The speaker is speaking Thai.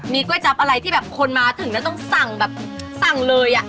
มีก๋วยจับอะไรที่แบบคนมาถึงแล้วต้องสั่งแบบสั่งเลย